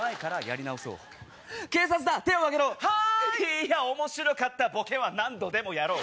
いやおもしろかったボケは何度でもやろう！